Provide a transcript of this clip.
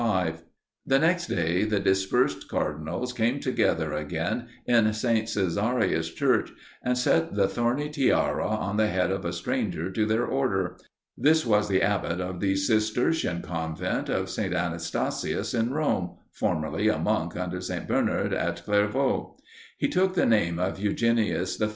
The next day the dispersed cardinals came together again in St. Caesarius' church, and set the thorny tiara on the head of a stranger to their order. This was the abbot of the Cistercian convent of St. Anastasius in Rome, formerly a monk under St. Bernard at Clairvaux. He took the name of Eugenius III.